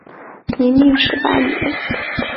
明命十八年。